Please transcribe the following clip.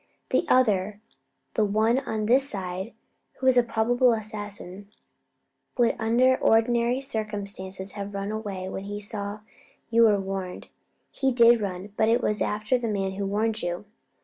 The other the one on this side, who was a probable assassin would under ordinary circumstances have run away when he saw you were warned. He did run, but it was after the man who warned you."